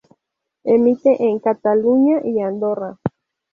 Emite en Cataluña y Andorra.